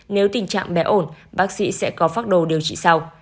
nếu tình trạng bé ổn bác sĩ sẽ có phác đồ điều trị sau